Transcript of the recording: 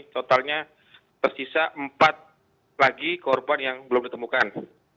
totalnya tersisa empat lagi korban yang belum ditemukan